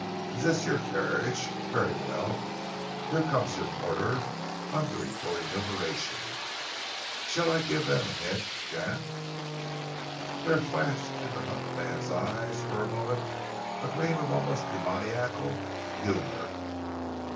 Is this your carriage? Very well. Here comes your porter, hungry for remuneration. Shall I give them a hint, Gant?" There flashed in the hunted man's eyes for a moment a gleam of almost demoniacal humour.